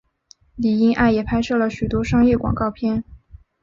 李英爱也拍摄了很多商业广告片。